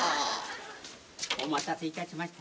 お待たせいたしました。